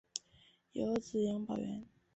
有子杨葆元。